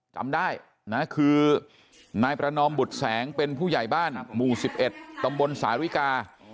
จำได้นะคือนายประนอมบุตรแสงเป็นผู้ใหญ่บ้านหมู่๑๑ตำบลสาริกา